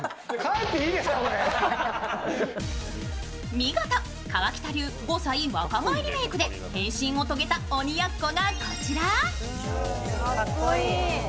見事、河北流５歳若返りメークで変身を遂げた鬼奴がこちら。